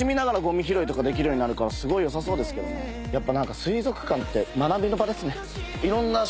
やっぱ。